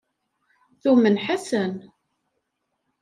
Tumen Ḥasan.